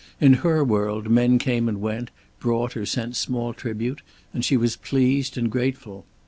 In her world men came and went, brought or sent small tribute, and she was pleased and grateful.